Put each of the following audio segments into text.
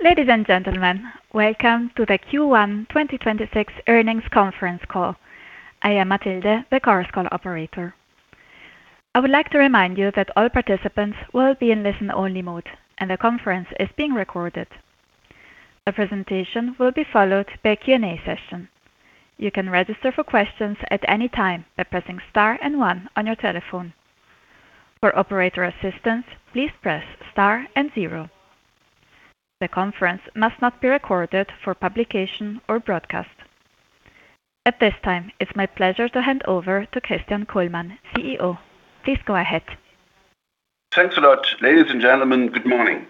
Ladies and gentlemen, welcome to the Q1 2026 earnings conference call. I am Matilde, the conference call operator. I would like to remind you that all participants will be in listen-only mode, and the conference is being recorded. The presentation will be followed by a Q&A session. You can register for questions at any time by pressing star and one on your telephone. For operator assistance, please press star and zero. The conference must not be recorded for publication or broadcast. At this time, it's my pleasure to hand over to Christian Kullmann, CEO. Please go ahead. Thanks a lot. Ladies and gentlemen, good morning.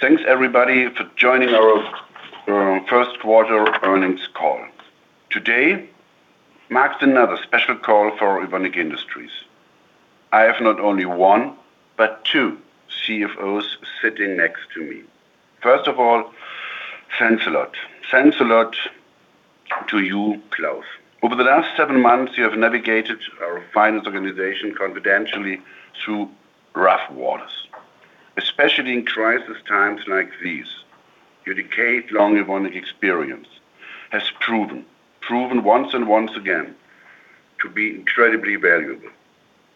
Thanks everybody for joining our first quarter earnings call. Today marks another special call for Evonik Industries. I have not only one, but two CFOs sitting next to me. Thanks a lot to you, Claus. Over the last seven months, you have navigated our finance organization confidently through rough waters, especially in crisis times like these. Your decade-long Evonik experience has proven once again to be incredibly valuable.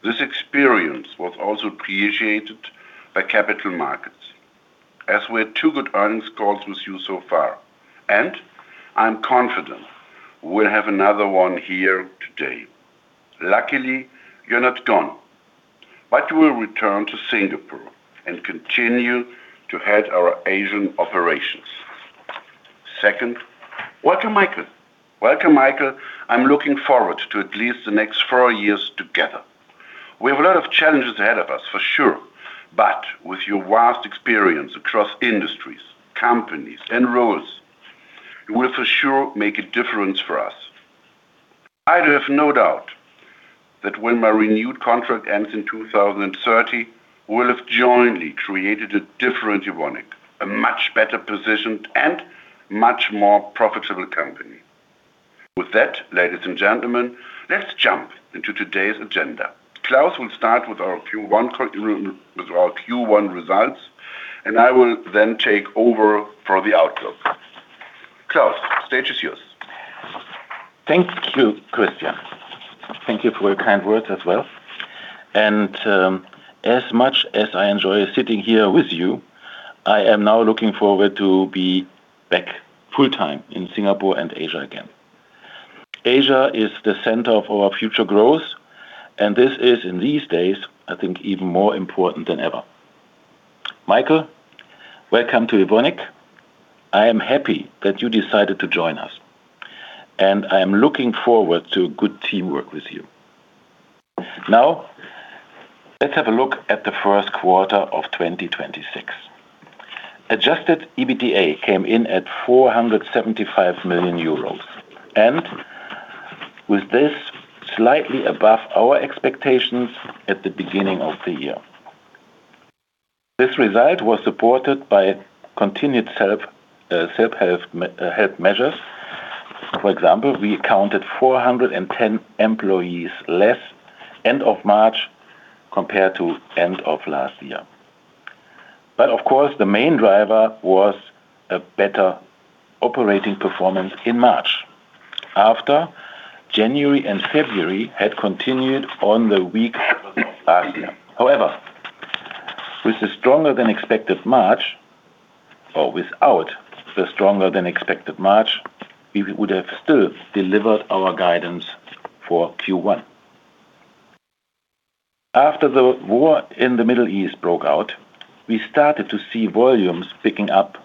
This experience was also appreciated by capital markets, as we had two good earnings calls with you so far, and I'm confident we'll have another one here today. You're not gone, but you will return to Singapore and continue to head our Asian operations. Welcome Michael. I'm looking forward to at least the next four years together. We have a lot of challenges ahead of us, for sure. With your vast experience across industries, companies, and roles, you will for sure make a difference for us. I have no doubt that when my renewed contract ends in 2030, we'll have jointly created a different Evonik, a much better positioned and much more profitable company. With that, ladies and gentlemen, let's jump into today's agenda. Claus will start with our Q1 results, and I will then take over for the outlook. Claus, stage is yours. Thank you, Christian. Thank you for your kind words as well. As much as I enjoy sitting here with you, I am now looking forward to be back full-time in Singapore and Asia again. Asia is the center of our future growth, this is, in these days, I think even more important than ever. Michael, welcome to Evonik. I am happy that you decided to join us, I am looking forward to good teamwork with you. Let's have a look at the first quarter of 2026. Adjusted EBITDA came in at 475 million euros with this slightly above our expectations at the beginning of the year. This result was supported by continued self-help measures. For example, we counted 410 employees less end of March compared to end of last year. Of course, the main driver was a better operating performance in March after January and February had continued on the weak levels of last year. However, with the stronger than expected March, or without the stronger than expected March, we would have still delivered our guidance for Q1. After the war in the Middle East broke out, we started to see volumes picking up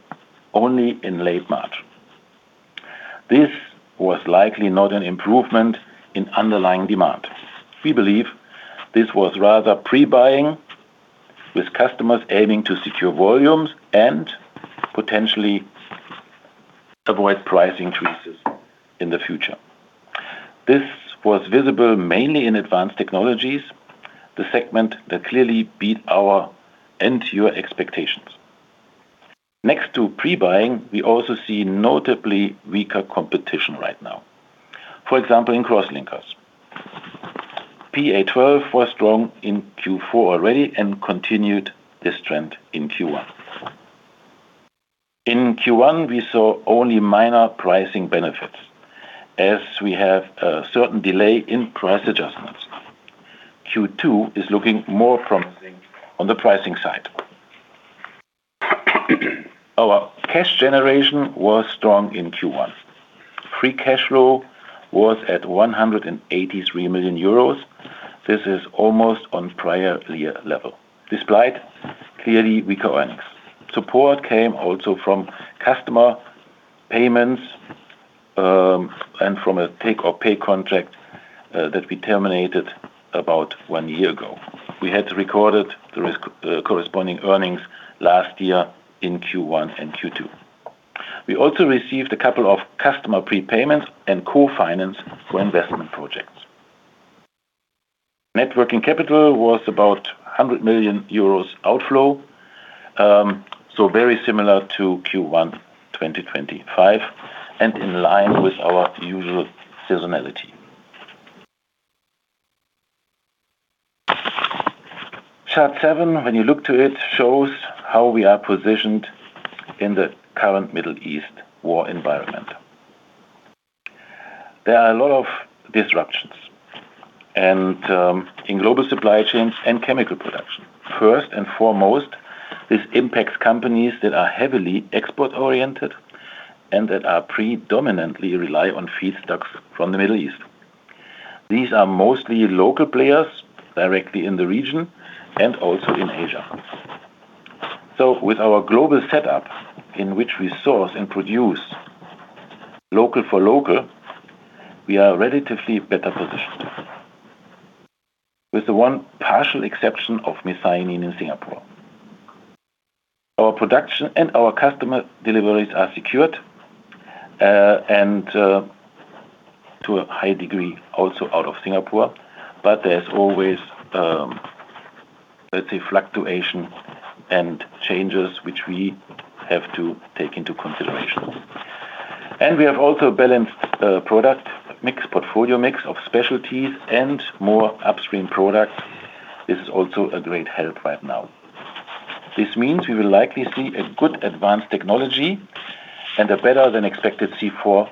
only in late March. This was likely not an improvement in underlying demand. We believe this was rather pre-buying with customers aiming to secure volumes and potentially avoid price increases in the future. This was visible mainly in Advanced Technologies, the segment that clearly beat our and your expectations. Next to pre-buying, we also see notably weaker competition right now. For example, in crosslinkers. PA 12 was strong in Q4 already and continued this trend in Q1. In Q1, we saw only minor pricing benefits as we have a certain delay in price adjustments. Q2 is looking more promising on the pricing side. Our cash generation was strong in Q1. Free cash flow was at 183 million euros. This is almost on prior year level, despite clearly weaker earnings. Support came also from customer payments and from a take or pay contract that we terminated about one year ago. We had recorded the corresponding earnings last year in Q1 and Q2. We also received a couple of customer prepayments and co-finance for investment projects. Net working capital was about 100 million euros outflow, very similar to Q1 2025, and in line with our usual seasonality. Chart seven, when you look to it, shows how we are positioned in the current Middle East war environment. There are a lot of disruptions in global supply chains and chemical production. First and foremost, this impacts companies that are heavily export-oriented and that are predominantly rely on feedstocks from the Middle East. These are mostly local players directly in the region and also in Asia. With our global setup, in which we source and produce local for local, we are relatively better positioned with the one partial exception of methionine in Singapore. Our production and our customer deliveries are secured and to a high degree also out of Singapore. There's always, let's say, fluctuation and changes which we have to take into consideration. We have also a balanced product mix, portfolio mix of specialties and more upstream products. This is also a great help right now. This means we will likely see a good Advanced Technologies and a better-than-expected C4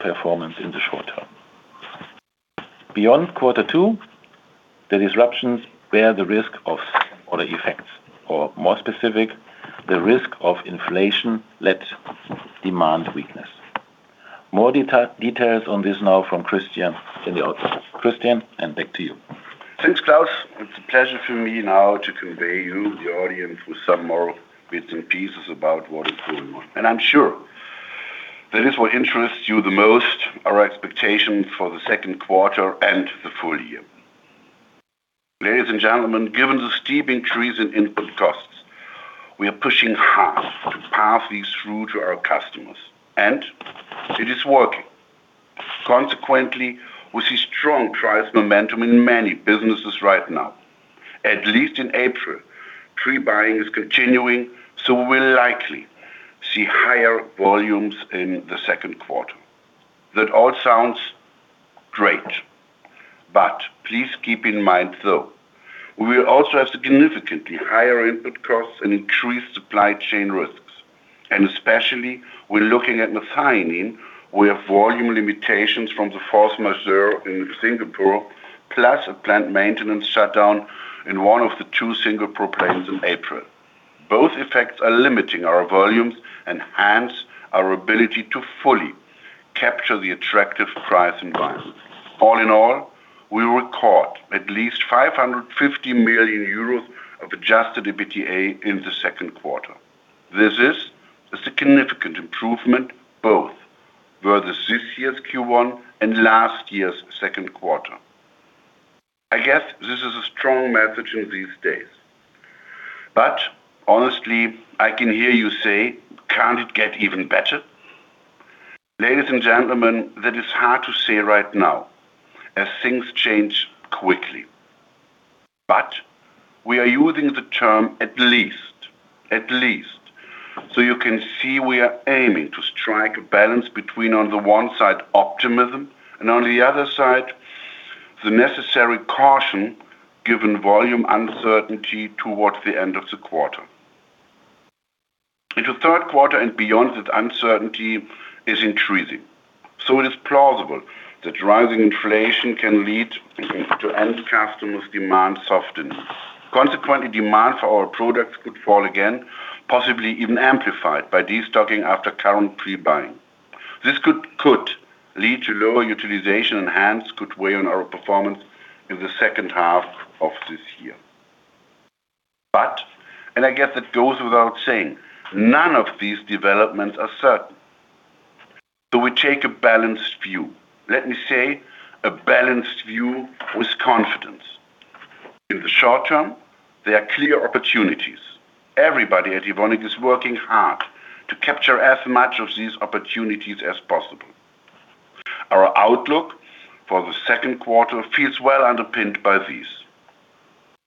performance in the short term. Beyond quarter two, the disruptions bear the risk of other effects, or more specific, the risk of inflation-led demand weakness. More details on this now from Christian in the outlook. Christian, back to you. Thanks, Claus. It's a pleasure for me now to convey you, the audience, with some more bits and pieces about what is going on. I'm sure that is what interests you the most, our expectation for the second quarter and the full year. Ladies and gentlemen, given the steep increase in input costs, we are pushing hard to pass these through to our customers, and it is working. Consequently, we see strong price momentum in many businesses right now. At least in April, pre-buying is continuing, so we'll likely see higher volumes in the second quarter. That all sounds great, but please keep in mind, though, we will also have significantly higher input costs and increased supply chain risks. Especially when looking at methionine, we have volume limitations from the force majeure in Singapore, plus a plant maintenance shutdown in one of the two Singapore plants in April. Both effects are limiting our volumes and hence our ability to fully capture the attractive price environment. All in all, we will record at least 550 million euros of adjusted EBITDA in the second quarter. This is a significant improvement, both versus this year's Q1 and last year's second quarter. I guess this is a strong message in these days. Honestly, I can hear you say, "Can't it get even better?" Ladies and gentlemen, that is hard to say right now, as things change quickly. We are using the term at least. You can see we are aiming to strike a balance between, on the one side, optimism and, on the other side, the necessary caution given volume uncertainty towards the end of the quarter. Into third quarter and beyond, that uncertainty is increasing. It is plausible that rising inflation can lead to end customers' demand softening. Consequently, demand for our products could fall again, possibly even amplified by destocking after current pre-buying. This could lead to lower utilization and hence could weigh on our performance in the second half of this year. And I guess that goes without saying, none of these developments are certain. We take a balanced view. Let me say a balanced view with confidence. In the short term, there are clear opportunities. Everybody at Evonik is working hard to capture as much of these opportunities as possible. Our outlook for the second quarter feels well underpinned by these.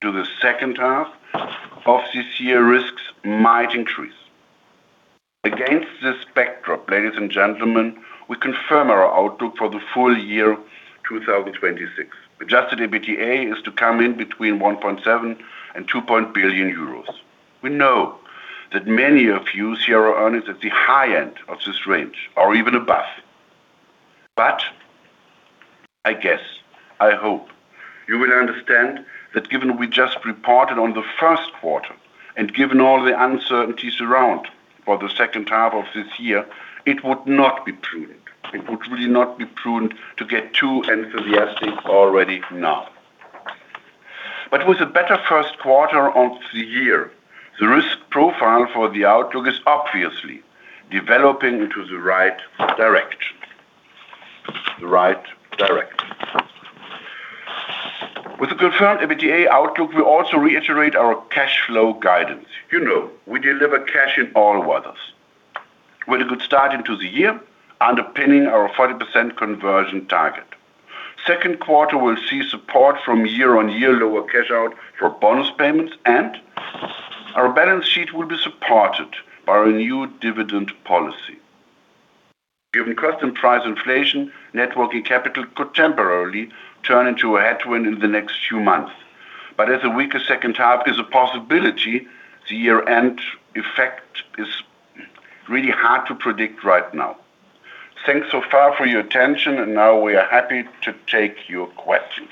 To the second half of this year, risks might increase. Against this backdrop, ladies and gentlemen, we confirm our outlook for the full year 2026. Adjusted EBITDA is to come in between 1.7 billion euros and 2 billion euros. We know that many of you see our earnings at the high end of this range or even above. I guess, I hope, you will understand that given we just reported on the first quarter and given all the uncertainties around for the second half of this year, it would really not be prudent to get too enthusiastic already now. With a better first quarter on the year, the risk profile for the outlook is obviously developing into the right direction. With a confirmed EBITDA outlook, we also reiterate our cash flow guidance. You know we deliver cash in all weathers. With a good start into the year underpinning our 40% conversion target. Second quarter will see support from year-over-year lower cash out for bonus payments, and our balance sheet will be supported by our new dividend policy. Given custom price inflation, net working capital could temporarily turn into a headwind in the next few months. As a weaker second half is a possibility, the year-end effect is really hard to predict right now. Thanks so far for your attention, and now we are happy to take your questions.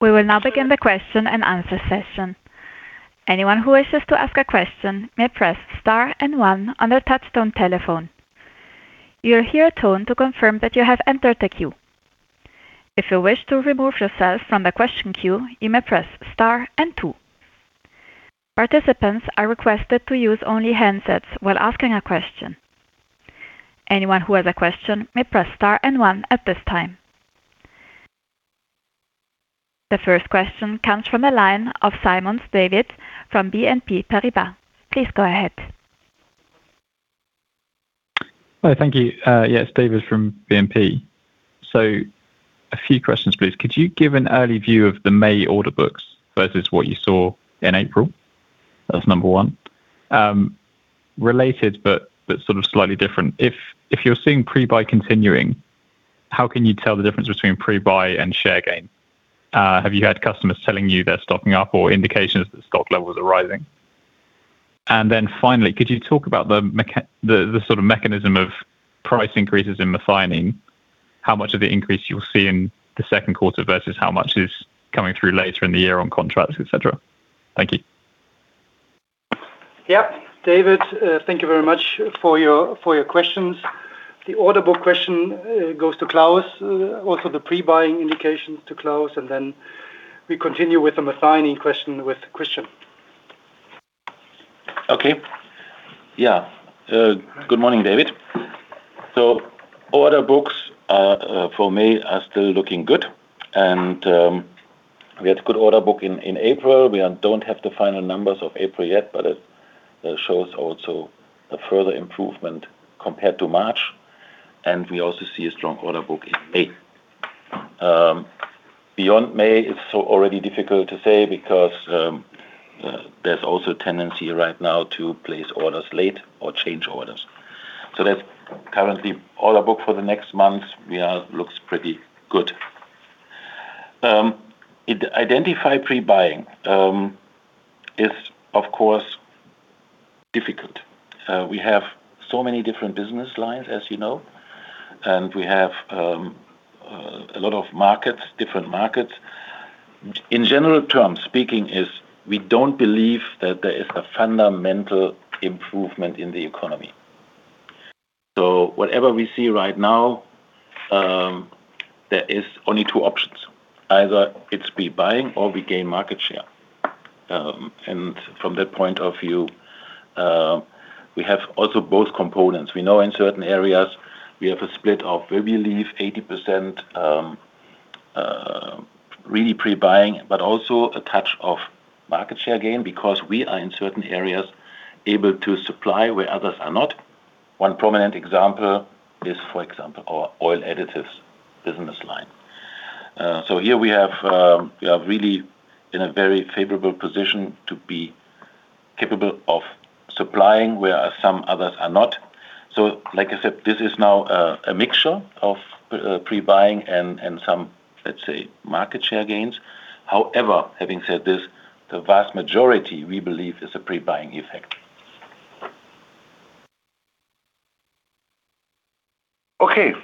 We will now begin the question and answer session. Anyone who wishes to ask a question may press star and one on their touchtone telephone. You'll hear a tone to confirm that you have entered the queue. If you wish to remove yourself from the question queue, you may press star and two. Participants are requested to use only handsets while asking a question. Anyone who has a question may press star and one at this time. The first question comes from the line of Symonds, David from BNP Paribas. Please go ahead. Hi. Thank you. Yes, David from BNP. A few questions, please. Could you give an early view of the May order books versus what you saw in April? That's number one. Related, but sort of slightly different. If you're seeing pre-buy continuing, how can you tell the difference between pre-buy and share gain? Have you had customers telling you they're stocking up or indications that stock levels are rising? Finally, could you talk about the mechanism of price increases in methionine? How much of the increase you'll see in 2Q versus how much is coming through later in the year on contracts, et cetera? Thank you. Yeah. David, thank you very much for your questions. The order book question goes to Claus. Also the pre-buying indication to Claus, we continue with the methionine question with Christian. Okay. Good morning, David. Order books for me are still looking good. We had a good order book in April. We don't have the final numbers of April yet, but it shows also a further improvement compared to March. We also see a strong order book in May. Beyond May, it's so already difficult to say because there's also a tendency right now to place orders late or change orders. That's currently order book for the next month, looks pretty good. Identify pre-buying is of course difficult. We have so many different business lines, as you know. We have a lot of markets, different markets. In general terms, speaking is we don't believe that there is a fundamental improvement in the economy. Whatever we see right now, there is only two options. Either it's pre-buying or we gain market share. From that point of view, we have also both components. We know in certain areas we have a split of where we leave 80% really pre-buying, but also a touch of market share gain because we are in certain areas able to supply where others are not. One prominent example is, for example, our Oil Additives business line. Here we have, we are really in a very favorable position to be capable of supplying where some others are not. Like I said, this is now a mixture of pre-buying and some, let's say, market share gains. However, having said this, the vast majority, we believe, is a pre-buying effect. Okay.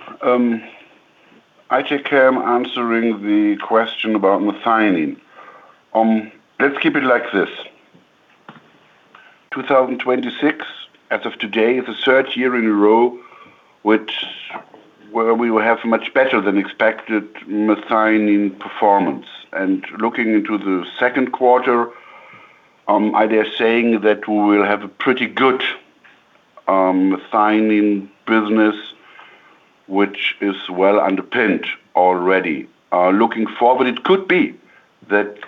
I take care I'm answering the question about methionine. Let's keep it like this. 2026, as of today, is the third year in a row where we will have much better than expected methionine performance. Looking into the second quarter, I dare saying that we will have a pretty good methionine business, which is well underpinned already. Looking forward, it could be that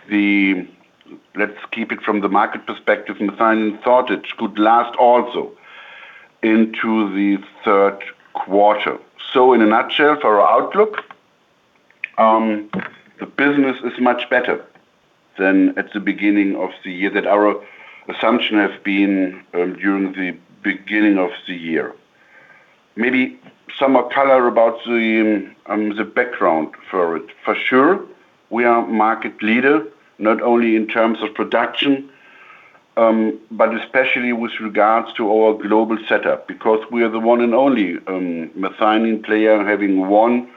let's keep it from the market perspective, methionine shortage could last also into the third quarter. In a nutshell, for our outlook, the business is much better than at the beginning of the year that our assumption has been during the beginning of the year. Maybe some color about the background for it. For sure, we are market leader, not only in terms of production, but especially with regards to our global setup, because we are the one and only methionine player having one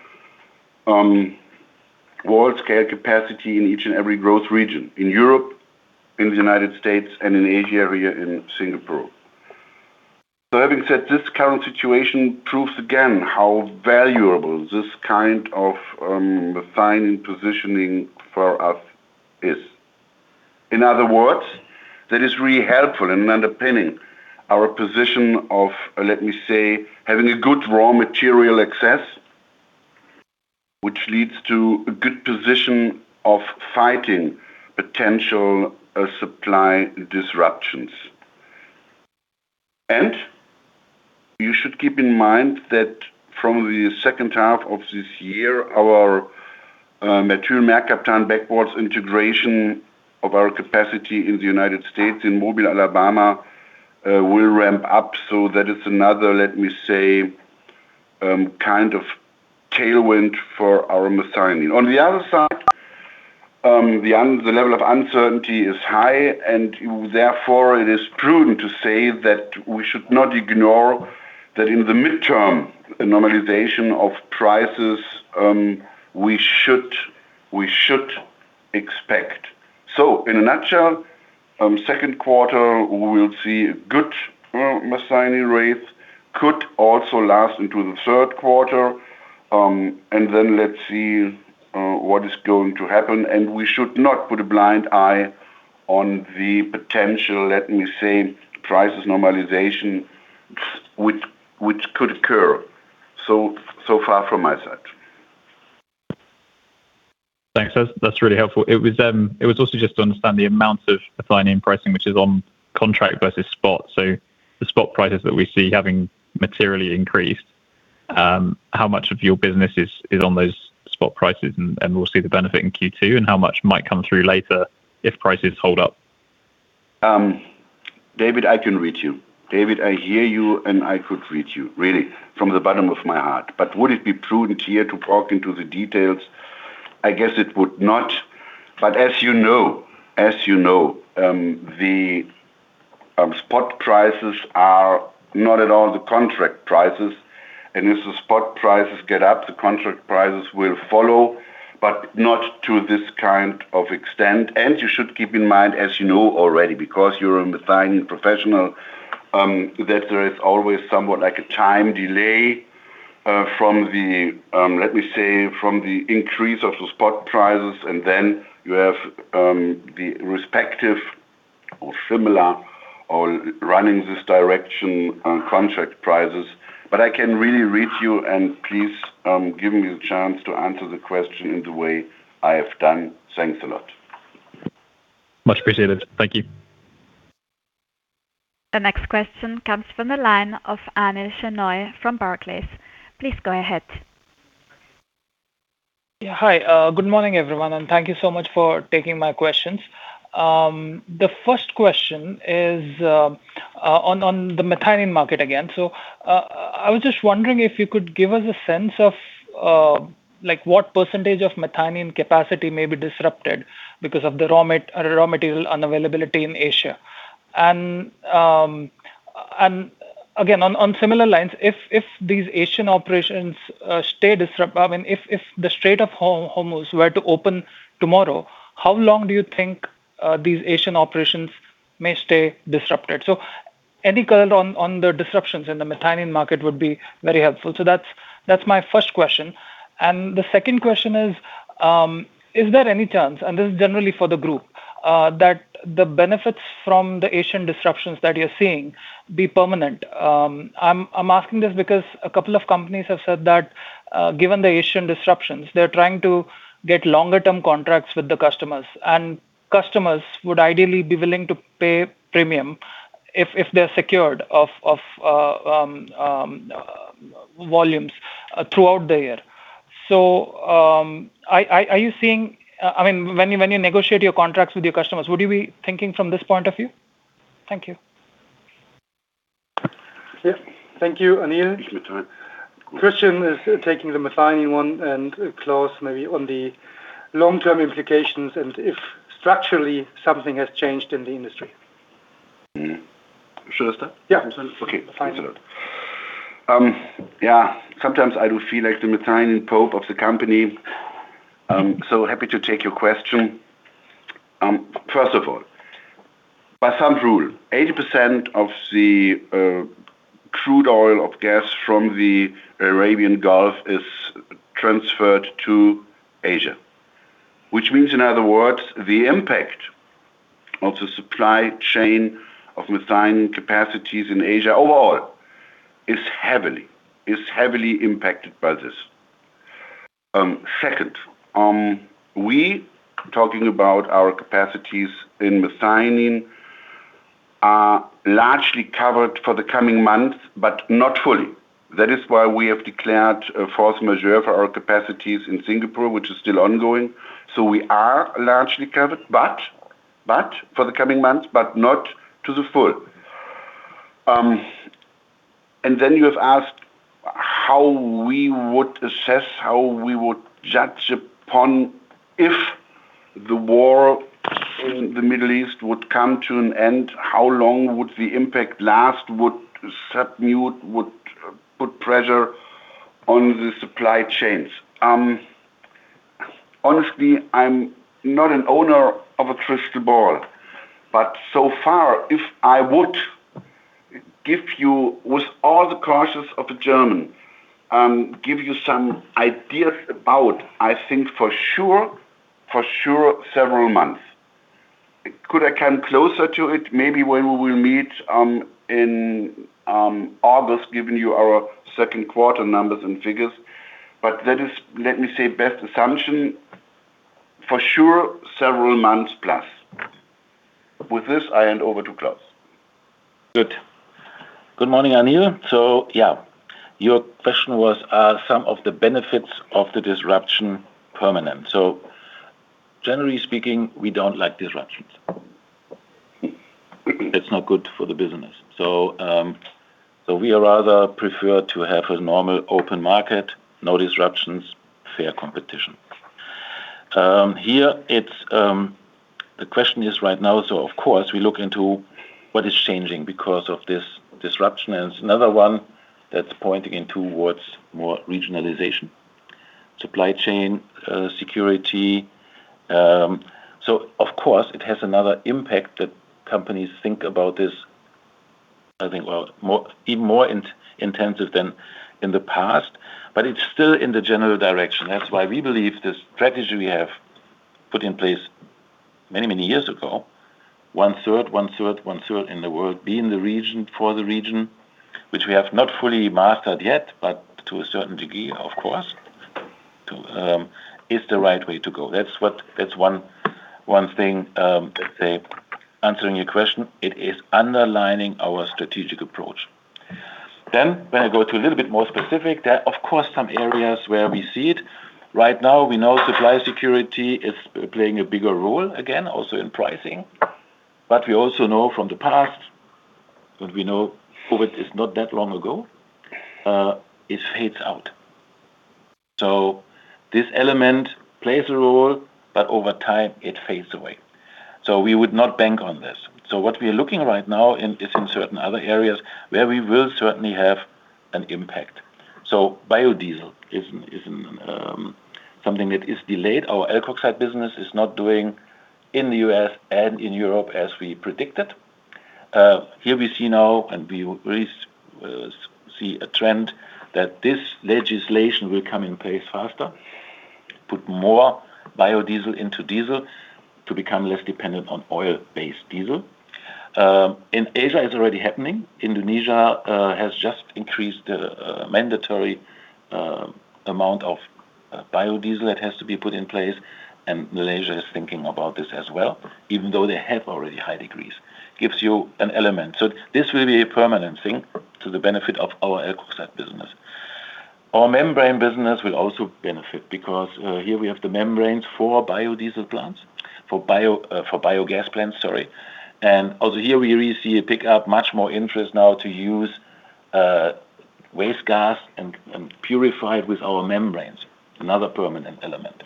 world-scale capacity in each and every growth region. In Europe, in the U.S., and in Asia area in Singapore. Having said, this current situation proves again how valuable this kind of methionine positioning for us is. In other words, that is really helpful in underpinning our position of, let me say, having a good raw material access, which leads to a good position of fighting potential supply disruptions. You should keep in mind that from the second half of this year, our methyl mercaptan backwards integration of our capacity in the U.S. in Mobile, Alabama, will ramp up. That is another, let me say, kind of tailwind for our methionine. On the other side, the level of uncertainty is high, and therefore, it is prudent to say that we should not ignore that in the midterm normalization of prices, we should expect. In a nutshell, second quarter, we'll see good methionine rates could also last into the third quarter, and then let's see what is going to happen. And we should not put a blind eye on the potential, let me say, crisis normalization which could occur. So far from my side. Thanks. That's really helpful. It was also just to understand the amount of methionine pricing, which is on contract versus spot. The spot prices that we see having materially increased, how much of your business is on those spot prices and we'll see the benefit in Q2, and how much might come through later if prices hold up? David, I can read you. David, I hear you, and I could read you really from the bottom of my heart. Would it be prudent here to talk into the details? I guess it would not. As you know, as you know, the spot prices are not at all the contract prices. If the spot prices get up, the contract prices will follow, but not to this kind of extent. You should keep in mind, as you know already, because you're a mezzanine professional, that there is always somewhat like a time delay, from the, let me say, from the increase of the spot prices, and then you have the respective or similar or running this direction, contract prices. I can really read you and please give me the chance to answer the question in the way I have done. Thanks a lot. Much appreciated. Thank you. The next question comes from the line of Anil Shenoy from Barclays. Please go ahead. Yeah, hi. Good morning, everyone, and thank you so much for taking my questions. The first question is on the methionine market again. I was just wondering if you could give us a sense of like what percentage of methionine capacity may be disrupted because of the raw material unavailability in Asia. Again, on similar lines, if these Asian operations stay disrupted, I mean, if the Strait of Hormuz were to open tomorrow, how long do you think these Asian operations may stay disrupted? Any color on the disruptions in the methionine market would be very helpful. That's my first question. The second question is there any chance, and this is generally for the group, that the benefits from the Asian disruptions that you're seeing be permanent? I'm asking this because a couple of companies have said that, given the Asian disruptions, they're trying to get longer-term contracts with the customers, and customers would ideally be willing to pay premium if they're secured of volumes throughout the year. Are you seeing I mean, when you negotiate your contracts with your customers, would you be thinking from this point of view? Thank you. Thank you, Anil Shenoy. Christian Kullmann is taking the methionine one and Claus Rettig maybe on the long-term implications if structurally something has changed in the industry. Should I start? Thanks a lot. Sometimes I do feel like the methionine pope of the company, happy to take your question. First of all, by thumb rule, 80% of the crude oil of gas from the Arabian Gulf is transferred to Asia, which means, in other words, the impact of the supply chain of methionine capacities in Asia overall is heavily impacted by this. Second, we, talking about our capacities in methionine, are largely covered for the coming months, but not fully. That is why we have declared a force majeure for our capacities in Singapore, which is still ongoing. We are largely covered, but for the coming months, but not to the full. You have asked how we would assess, how we would judge upon if the war in the Middle East would come to an end, how long would the impact last? Would that mute, would put pressure on the supply chains? Honestly, I'm not an owner of a crystal ball. So far, if I would give you, with all the cautious of a German, give you some ideas about, I think for sure several months. Could I come closer to it? Maybe when we will meet, in August, giving you our second quarter numbers and figures. That is, let me say, best assumption for sure several months plus. With this, I hand over to Claus. Good. Good morning, Anil. Yeah, your question was, are some of the benefits of the disruption permanent? Generally speaking, we don't like disruptions. It's not good for the business. We rather prefer to have a normal open market, no disruptions, fair competition. Here it's, the question is right now, of course we look into what is changing because of this disruption. It's another one that's pointing in towards more regionalization, supply chain, security. Of course it has another impact that companies think about this, I think well, more even more in-intensive than in the past, but it's still in the general direction. That's why we believe the strategy we have put in place many, many years ago, 1/3, 1/3, 1/3 in the world, be in the region for the region, which we have not fully mastered yet, but to a certain degree, of course, to is the right way to go. That's one thing, let's say answering your question. It is underlining our strategic approach. When I go to a little bit more specific, there are of course, some areas where we see it. Right now, we know supply security is playing a bigger role, again, also in pricing. We also know from the past, what we know, COVID is not that long ago, it fades out. This element plays a role, but over time it fades away. We would not bank on this. What we are looking right now is in certain other areas where we will certainly have an impact. Biodiesel is something that is delayed. Our alkoxides business is not doing in the U.S. and in Europe as we predicted. Here we see now, and we see a trend that this legislation will come in place faster, put more biodiesel into diesel to become less dependent on oil-based diesel. In Asia it's already happening. Indonesia has just increased the mandatory amount of biodiesel that has to be put in place, and Malaysia is thinking about this as well, even though they have already high degrees. Gives you an element. This will be a permanent thing to the benefit of our alkoxides business. Our membrane business will also benefit because here we have the membranes for biodiesel plants, for biogas plants, sorry. Also here we really see a pickup, much more interest now to use waste gas and purify it with our membranes. Another permanent element.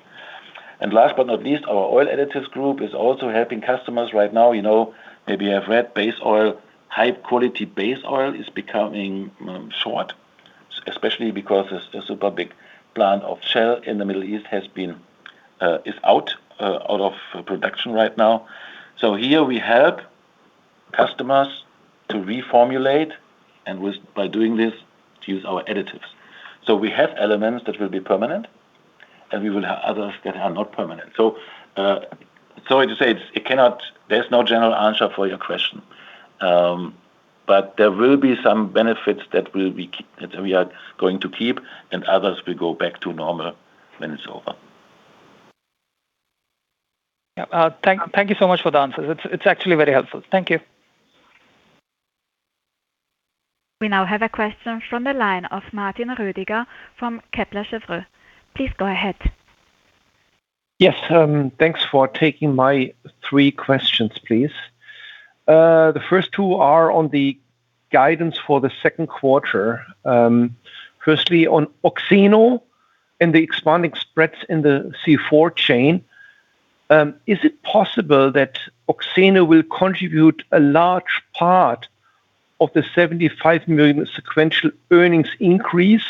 Last but not least, our Oil Additives group is also helping customers right now. You know, maybe you have read base oil, high quality base oil is becoming short, especially because a super big plant of Shell in the Middle East has been is out of production right now. Here we help customers to reformulate and by doing this, to use our additives. We have elements that will be permanent, and we will have others that are not permanent. Sorry to say there's no general answer for your question. There will be some benefits that we are going to keep and others will go back to normal when it's over. Yeah. Thank you so much for the answers. It's actually very helpful. Thank you. We now have a question from the line of Martin Roediger from Kepler Cheuvreux. Please go ahead. Yes. Thanks for taking my three questions, please. The first two are on the guidance for the second quarter. Firstly on Oxeno and the expanding spreads in the C4 chain, is it possible that Oxeno will contribute a large part of the 75 million sequential earnings increase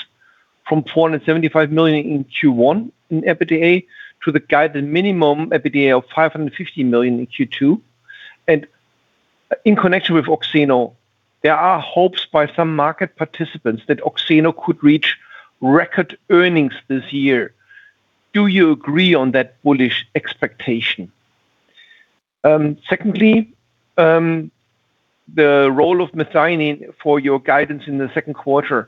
from 475 million in Q1 in EBITDA to the guided minimum EBITDA of 550 million in Q2? In connection with Oxeno, there are hopes by some market participants that Oxeno could reach record earnings this year. Do you agree on that bullish expectation? Secondly, the role of methionine for your guidance in the second quarter.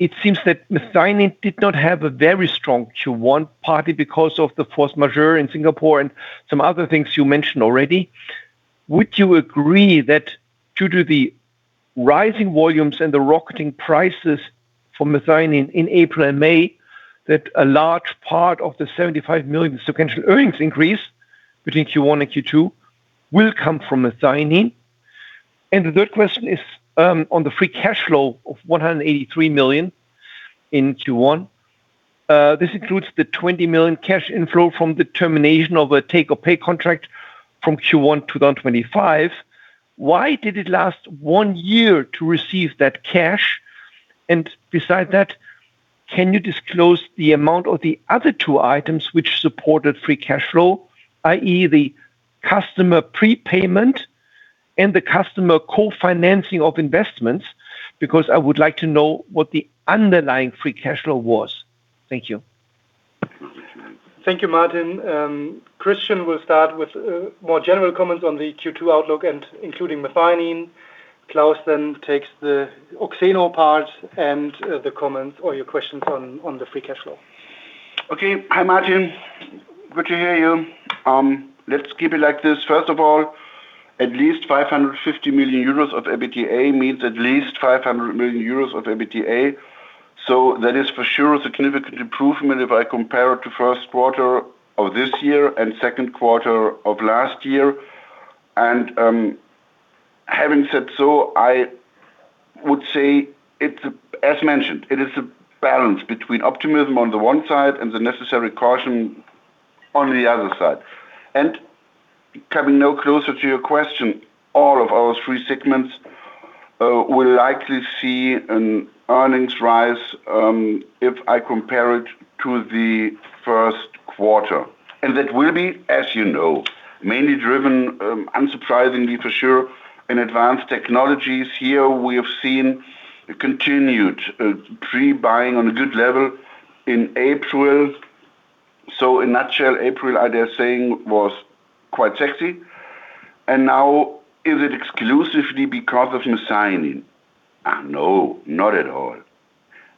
It seems that methionine did not have a very strong Q1, partly because of the force majeure in Singapore and some other things you mentioned already. Would you agree that due to the rising volumes and the rocketing prices for methionine in April and May, that a large part of the 75 million sequential earnings increase between Q1 and Q2 will come from methionine? The third question is on the free cash flow of 183 million in Q1. This includes the 20 million cash inflow from the termination of a take or pay contract from Q1 2025. Why did it last one year to receive that cash? Beside that, can you disclose the amount of the other two items which supported free cash flow, i.e. the customer prepayment and the customer co-financing of investments? I would like to know what the underlying free cash flow was. Thank you. Thank you, Martin. Christian will start with more general comments on the Q2 outlook and including methionine. Claus Rettig then takes the Oxeno part and the comments or your questions on the free cash flow. Okay. Hi, Martin. Good to hear you. Let's keep it like this. First of all, at least 550 million euros of EBITDA means at least 500 million euros of EBITDA. That is for sure a significant improvement if I compare it to first quarter of this year and second quarter of last year. Having said so, I would say it is, as mentioned, a balance between optimism on the one side and the necessary caution on the other side. Coming now closer to your question, all of our three segments will likely see an earnings rise if I compare it to the first quarter. That will be, as you know, mainly driven, unsurprisingly for sure in Advanced Technologies. Here we have seen a continued pre-buying on a good level in April. In nutshell, April, I dare saying, was quite sexy. Now is it exclusively because of methionine? No, not at all.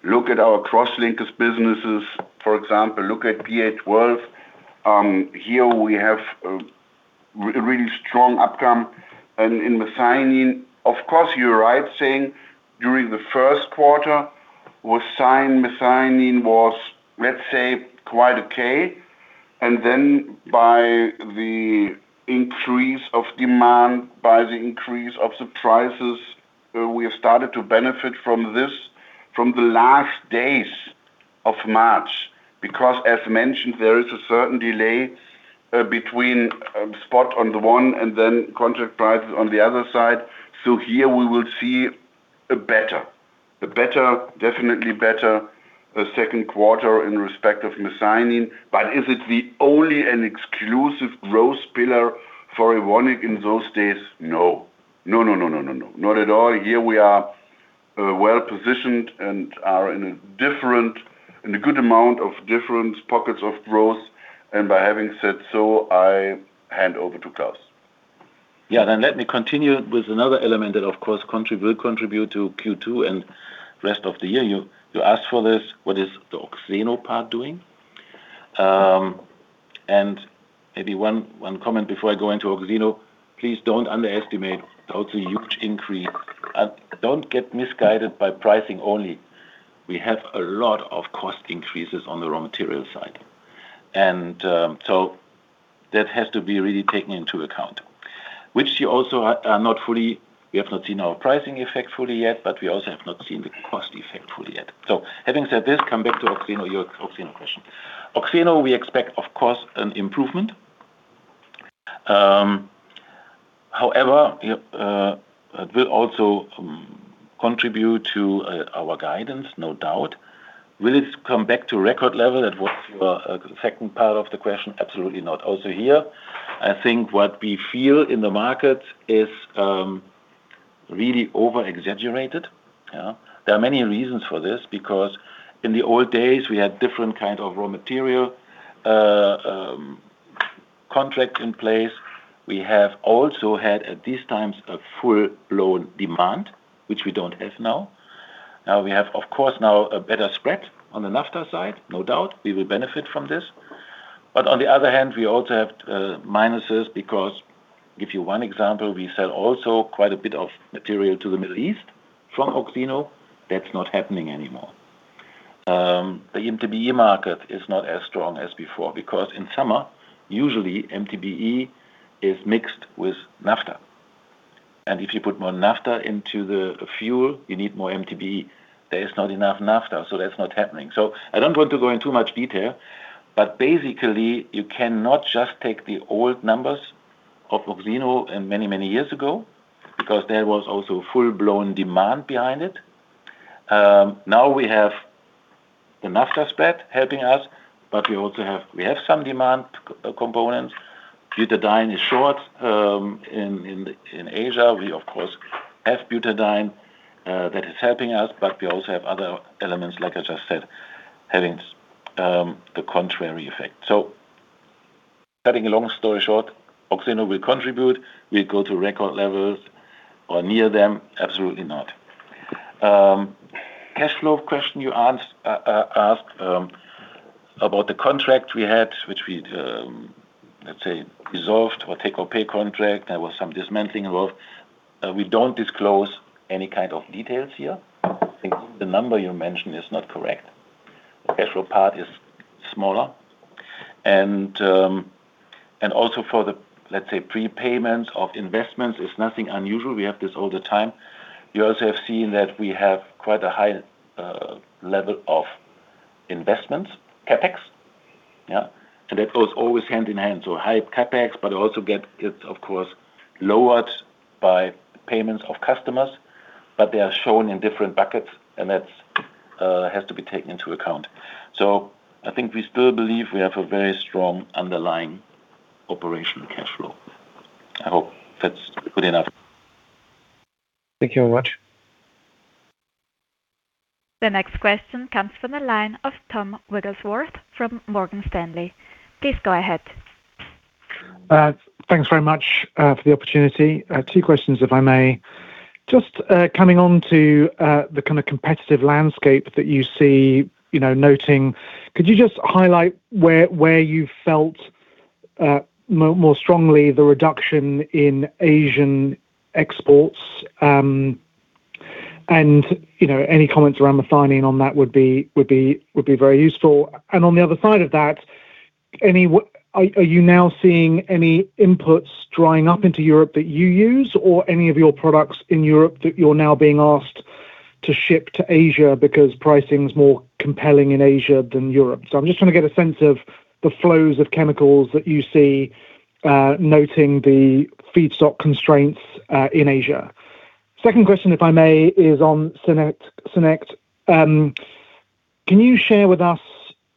Look at our crosslinkers businesses. For example, look at PA 12. Here we have a really strong outcome in methionine. Of course, you're right saying during the first quarter methionine was, let's say, quite okay. Then by the increase of demand, by the increase of the prices, we have started to benefit from this from the last days of March. As mentioned, there is a certain delay between spot on the one and then contract prices on the other side. Here we will see a better, definitely better second quarter in respect of methionine. Is it the only and exclusive growth pillar for Evonik in those days? No. No, no, no, no, not at all. Here we are well-positioned and are in a good amount of different pockets of growth. By having said so, I hand over to Claus. Let me continue with another element that of course contribute to Q2 and rest of the year. You asked for this, what is the Oxeno part doing? Maybe one comment before I go into Oxeno. Please don't underestimate the also huge increase. Don't get misguided by pricing only. We have a lot of cost increases on the raw material side. That has to be really taken into account. We have not seen our pricing effect fully yet, but we also have not seen the cost effect fully yet. Having said this, come back to Oxeno, your Oxeno question. Oxeno, we expect, of course, an improvement. However, yep, that will also contribute to our guidance, no doubt. Will it come back to record level? That was second part of the question. Absolutely not. Here, I think what we feel in the market is really over-exaggerated. There are many reasons for this because in the old days, we had different kind of raw material contract in place. We have also had, at these times, a full load demand, which we don't have now. Now we have, of course a better spread on the naphtha side, no doubt. We will benefit from this. On the other hand, we also have minuses because give you one example, we sell also quite a bit of material to the Middle East from Oxeno. That's not happening anymore. The MTBE market is not as strong as before because in summer, usually MTBE is mixed with naphtha. If you put more naphtha into the fuel, you need more MTBE. There is not enough naphtha, that's not happening. I don't want to go into much detail, but basically, you cannot just take the old numbers of Oxeno in many, many years ago because there was also full-blown demand behind it. Now we have the naphtha spread helping us, but we also have some demand components. Butadiene is short in Asia. We of course have butadiene that is helping us, but we also have other elements, like I just said, having the contrary effect. Cutting a long story short, Oxeno will contribute. Will it go to record levels or near them? Absolutely not. Cash flow question you asked about the contract we had, which we'd, let's say resolved or take or pay contract. There was some dismantling involved. We don't disclose any kind of details here. I think the number you mentioned is not correct. Cash flow part is smaller. Also for the, let's say, prepayments of investments is nothing unusual. We have this all the time. You also have seen that we have quite a high level of investments, CapEx. Yeah. That goes always hand in hand. High CapEx, but it's of course lowered by payments of customers, but they are shown in different buckets, and that has to be taken into account. I think we still believe we have a very strong underlying operational cash flow. I hope that's good enough. Thank you very much. The next question comes from the line of Tom Wrigglesworth from Morgan Stanley. Please go ahead. Thanks very much for the opportunity. Two questions if I may. Just coming on to the kind of competitive landscape that you see, you know, noting, could you just highlight where you felt more strongly the reduction in Asian exports? You know, any comments around the finding on that would be very useful. On the other side of that, are you now seeing any inputs drying up into Europe that you use or any of your products in Europe that you're now being asked to ship to Asia because pricing's more compelling in Asia than Europe? I'm just trying to get a sense of the flows of chemicals that you see, noting the feedstock constraints in Asia. Second question, if I may, is on SYNEQT. Can you share with us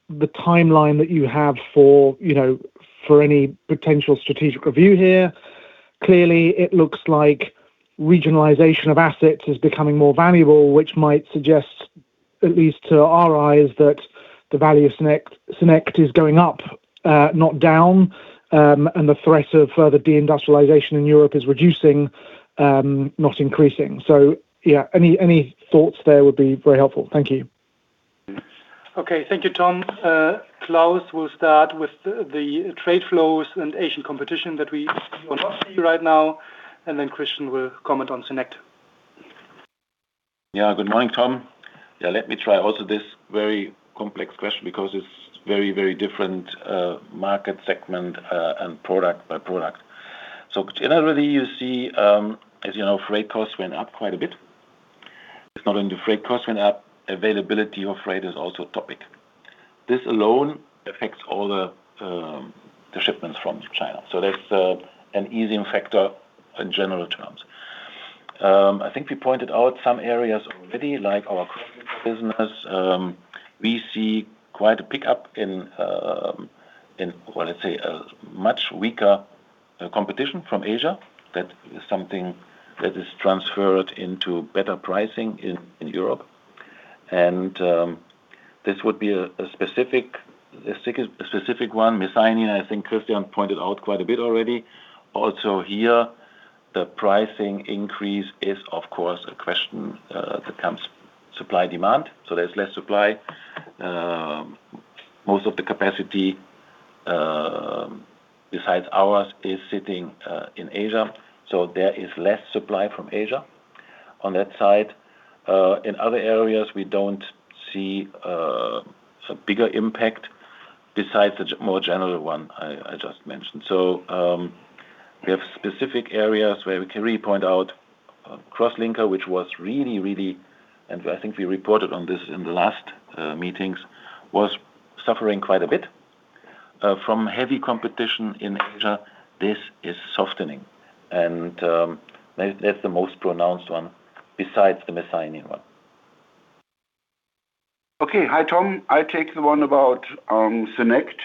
the timeline that you have for, you know, for any potential strategic review here? Clearly, it looks like regionalization of assets is becoming more valuable, which might suggest, at least to our eyes, that the value of SYNEQT is going up, not down, and the threat of further de-industrialization in Europe is reducing, not increasing. Yeah. Any thoughts there would be very helpful. Thank you. Okay. Thank you, Tom. Claus will start with the trade flows and Asian competition that we will not see right now, and then Christian will comment on SYNEQT. Good morning, Tom. Let me try also this very complex question because it's very, very different market segment and product by product. Generally, you see, as you know, freight costs went up quite a bit. It's not only the freight cost went up, availability of freight is also a topic. This alone affects all the shipments from China. That's an easing factor in general terms. I think we pointed out some areas already, like our business. We see quite a pickup in, well, let's say a much weaker competition from Asia. That is something that is transferred into better pricing in Europe. This would be a specific one. methionine, I think Christian pointed out quite a bit already. Here, the pricing increase is, of course, a question, that comes supply demand. There's less supply. Most of the capacity, besides ours is sitting in Asia, there is less supply from Asia on that side. In other areas, we don't see a bigger impact besides the more general one I just mentioned. We have specific areas where we can really point out crosslinkers, which was really And I think we reported on this in the last meetings, was suffering quite a bit from heavy competition in Asia. This is softening, that's the most pronounced one besides the methionine one. Okay. Hi, Tom. I take the one about SYNEQT,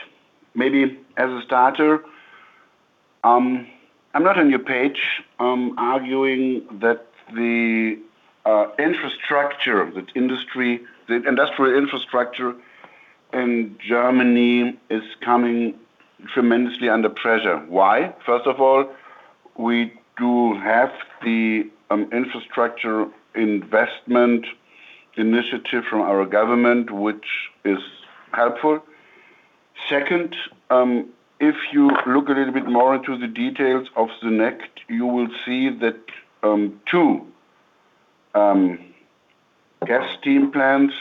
maybe as a starter. I'm not on your page arguing that the infrastructure, the industry, the industrial infrastructure in Germany is coming tremendously under pressure. Why? First of all, we do have the Infrastructure Investment Initiative from our government, which is helpful. Second, if you look a little bit more into the details of SYNEQT, you will see that two gas steam plants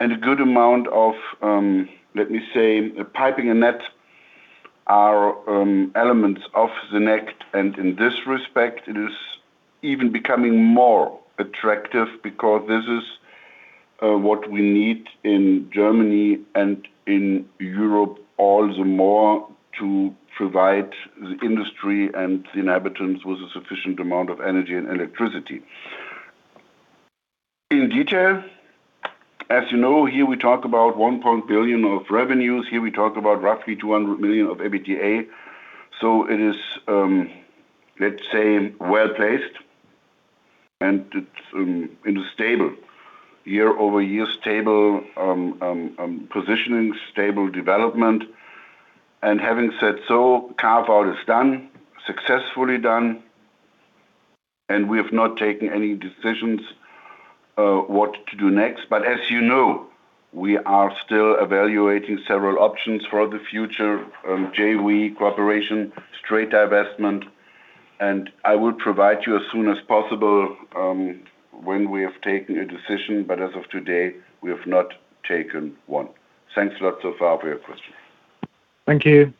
and a good amount of, let me say, piping and net are elements of SYNEQT. In this respect, it is even becoming more attractive because this is what we need in Germany and in Europe all the more to provide the industry and the inhabitants with a sufficient amount of energy and electricity. In detail, as you know, here we talk about 1 billion of revenues. Here we talk about roughly 200 million of EBITDA. It is, let's say, well-placed and it's in a stable, year-over-year stable positioning, stable development. Having said so, carve-out is done, successfully done, and we have not taken any decisions what to do next. As you know, we are still evaluating several options for the future, JV, cooperation, straight divestment, and I will provide you as soon as possible when we have taken a decision, but as of today, we have not taken one. Thanks a lot so far for your question. Thank you.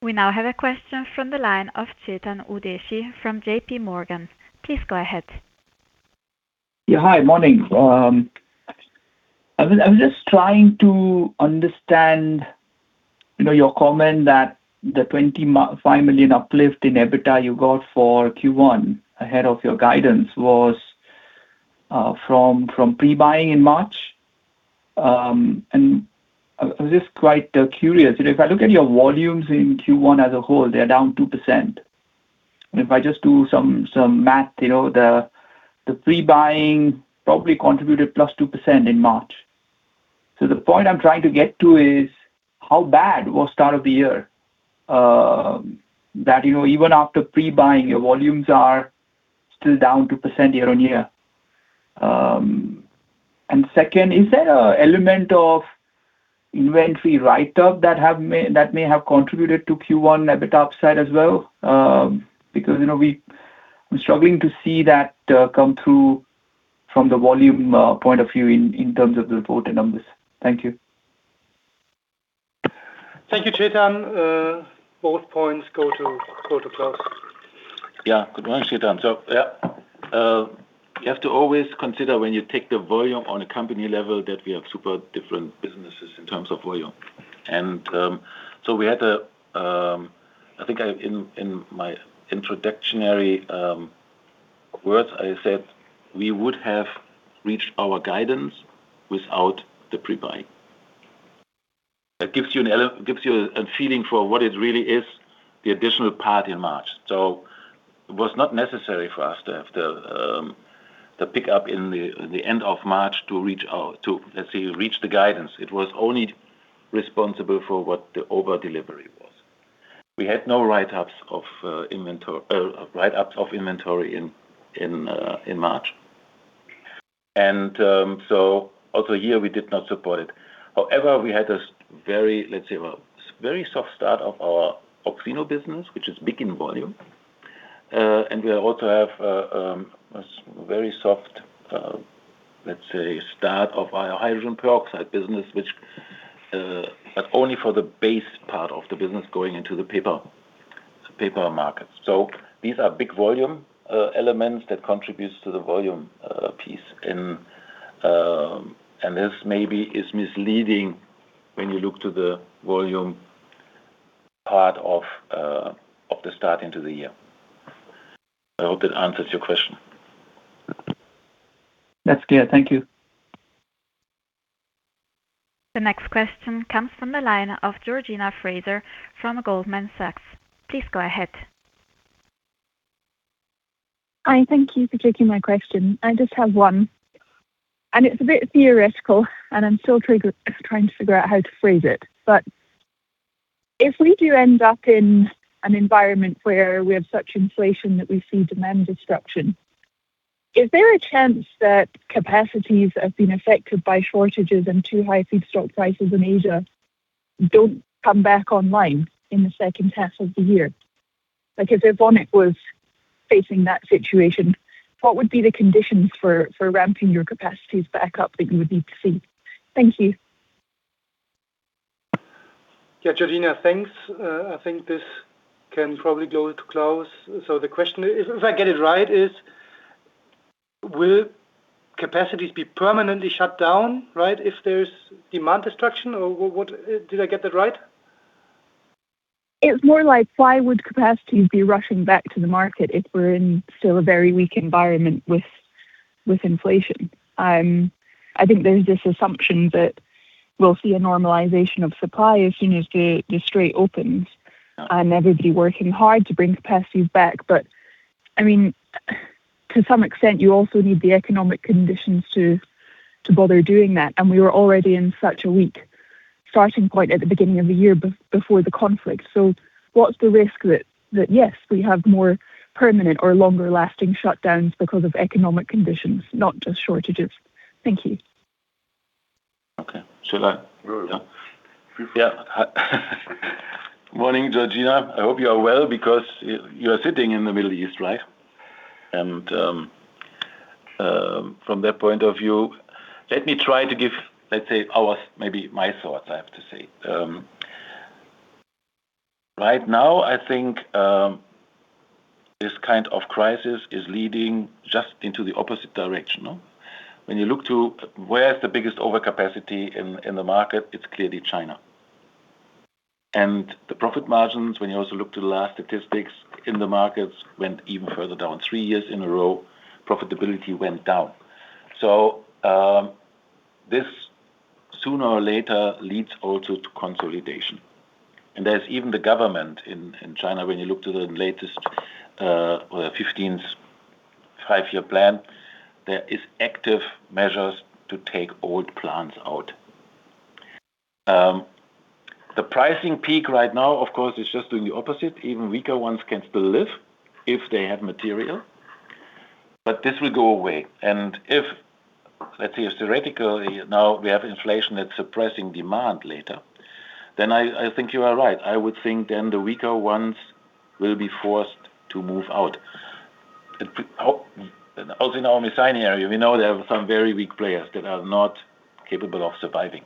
We now have a question from the line of Chetan Udeshi from JPMorgan. Please go ahead. Yeah. Hi. Morning. I was just trying to understand, you know, your comment that the 25 million uplift in EBITDA you got for Q1 ahead of your guidance was from pre-buying in March. I was just quite curious. You know, if I look at your volumes in Q1 as a whole, they're down 2%. If I just do some math, you know, the pre-buying probably contributed +2% in March. The point I'm trying to get to is how bad was start of the year that, you know, even after pre-buying, your volumes are still down 2% year on year. Second, is there an element of inventory write-up that may have contributed to Q1 EBITDA upside as well? You know, we're struggling to see that, come through from the volume, point of view in terms of the reported numbers. Thank you. Thank you, Chetan. Both points go to Claus. Yeah. Good morning, Chetan. You have to always consider when you take the volume on a company level that we have super different businesses in terms of volume. I think I, in my introductionary words, I said we would have reached our guidance without the pre-buying. That gives you a feeling for what it really is, the additional part in March. It was not necessary for us to have the pickup in the end of March to reach our, to, let's say, reach the guidance. It was only responsible for what the over-delivery was. We had no write-ups of inventory in March. Also here, we did not support it. We had a very, let's say a very soft start of our Oxeno business, which is big in volume. We also have a very soft, let's say, start of our hydrogen peroxide business, which, but only for the base part of the business going into the paper market. These are big volume elements that contributes to the volume piece. This maybe is misleading when you look to the volume part of the start into the year. I hope that answers your question. That's clear. Thank you. The next question comes from the line of Georgina Fraser from Goldman Sachs. Please go ahead. Hi. Thank you for taking my question. I just have one, and it's a bit theoretical, and I'm still trying to figure out how to phrase it. If we do end up in an environment where we have such inflation that we see demand destruction, is there a chance that capacities have been affected by shortages and too high feedstock prices in Asia don't come back online in the second half of the year? Like, if Evonik was facing that situation, what would be the conditions for ramping your capacities back up that you would need to see? Thank you. Yeah, Georgina, thanks. I think this can probably go to Claus Rettig. The question, if I get it right, is will capacities be permanently shut down, right, if there's demand destruction? What did I get that right? It's more like, why would capacities be rushing back to the market if we're in still a very weak environment with inflation? I think there's this assumption that we'll see a normalization of supply as soon as the street opens, and everybody working hard to bring capacities back. I mean, to some extent, you also need the economic conditions to bother doing that, and we were already in such a weak starting point at the beginning of the year before the conflict. What's the risk that, yes, we have more permanent or longer-lasting shutdowns because of economic conditions, not just shortages? Thank you. Okay. Sure. Yeah. Yeah. Morning, Georgina. I hope you are well because you are sitting in the Middle East, right? From that point of view, let me try to give, let's say, our, maybe my thoughts, I have to say. Right now, I think this kind of crisis is leading just into the opposite direction, no? When you look to where is the biggest overcapacity in the market, it's clearly China. The profit margins, when you also look to the last statistics in the markets, went even further down. Three years in a row, profitability went down. This sooner or later leads also to consolidation. There's even the government in China, when you look to the latest 15th Five-Year Plan, there is active measures to take old plants out. The pricing peak right now, of course, is just doing the opposite. Even weaker ones can still live if they have material, but this will go away. If, let's say theoretically now we have inflation that's suppressing demand later, then I think you are right. I would think the weaker ones will be forced to move out. Also in our methionine area, we know there are some very weak players that are not capable of surviving.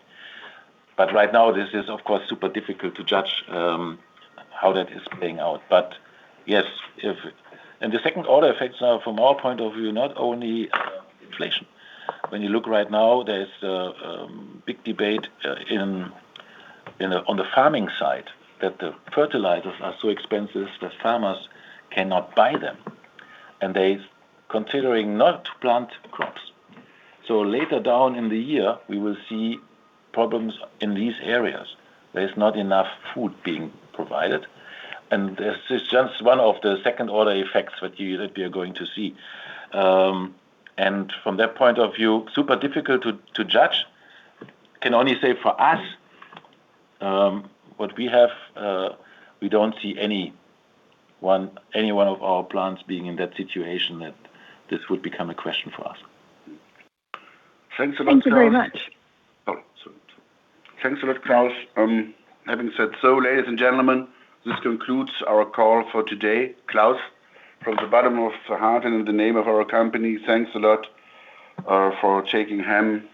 Right now, this is, of course, super difficult to judge how that is playing out. Yes, if the second order effects are, from our point of view, not only inflation. When you look right now, there's a big debate on the farming side, that the fertilizers are so expensive that farmers cannot buy them, and they considering not to plant crops. Later down in the year, we will see problems in these areas. There's not enough food being provided, and this is just one of the second-order effects that we are going to see. From that point of view, super difficult to judge. Can only say for us, what we have, we don't see any one of our plants being in that situation that this would become a question for us. Thanks a lot, Claus. Thank you very much. Sorry. Thanks a lot, Claus. Having said so, ladies and gentlemen, this concludes our call for today. Claus, from the bottom of the heart and in the name of our company, thanks a lot for taking helm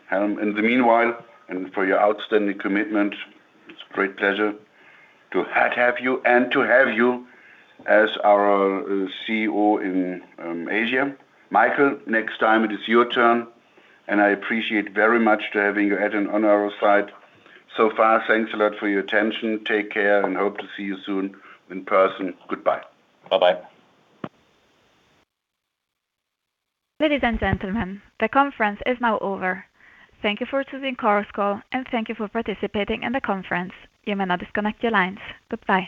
in the meanwhile and for your outstanding commitment. It's a great pleasure to have you and to have you as our CEO in Asia. Michael, next time it is your turn. I appreciate very much to having you at and on our side. So far, thanks a lot for your attention. Take care and hope to see you soon in person. Goodbye. Bye-bye. Ladies and gentlemen, the conference is now over. Thank you for choosing Chorus Call, and thank you for participating in the conference. You may now disconnect your lines. Goodbye.